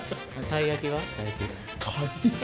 たい焼き。